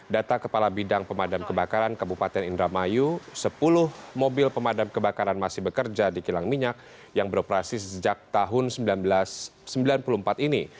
data kepala bidang pemadam kebakaran kabupaten indramayu sepuluh mobil pemadam kebakaran masih bekerja di kilang minyak yang beroperasi sejak tahun seribu sembilan ratus sembilan puluh empat ini